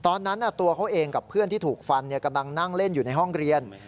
ตอนนั้นตัวเขาเองกับเพื่อนที่ถูกฟันกำลังนั่งเล่นอยู่ในห้องเรียน